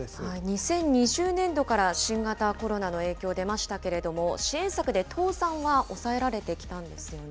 ２０２０年度から新型コロナの影響出ましたけれども、支援策で倒産は抑えられてきたんですよね。